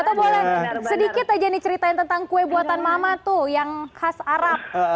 atau boleh sedikit aja nih ceritain tentang kue buatan mama tuh yang khas arab